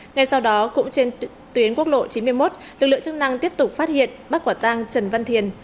ngay sau đó cũng trên tuyến quốc lộ chín mươi một lực lượng chức năng tiếp tục phát hiện bắt quả tăng trần văn thiền